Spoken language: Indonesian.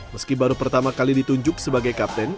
meski baru pertama kali ditunjuk sebagai kapten